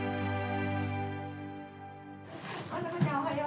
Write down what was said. おはよう。